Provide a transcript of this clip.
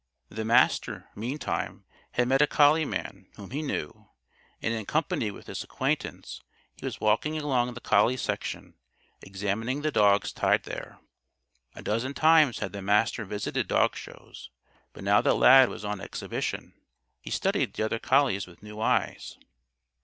The Master, meantime, had met a collie man whom he knew, and in company with this acquaintance he was walking along the collie section examining the dogs tied there. A dozen times had the Master visited dog shows; but now that Lad was on exhibition, he studied the other collies with new eyes.